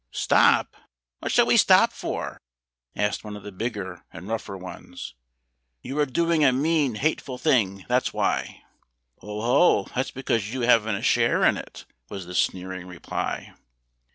"Stop! what shall we stop for?" asked one of the bigger and rougher ones. "You are doing a mean, hateful thing that's why." "Oho! that's because you haven't a share in it," was the sneering reply.